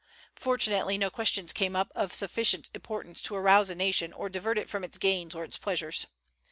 Fortunately no questions came up of sufficient importance to arouse a nation or divert it from its gains or its pleasures.